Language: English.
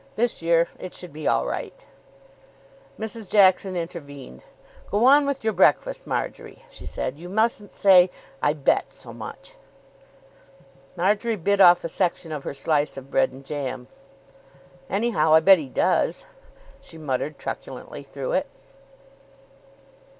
This year it should be all right. Mrs. Jackson intervened. "Go on with your breakfast, Marjory," she said. "You mustn't say 'I bet' so much." Marjory bit off a section of her slice of bread and jam. "Anyhow, I bet he does," she muttered truculently through it.